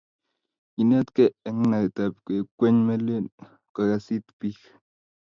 kiinetgei eng' naetab kwekeny melen kokas iit biik.